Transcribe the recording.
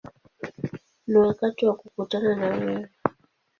Ni wakati wa kukutana na wewe”.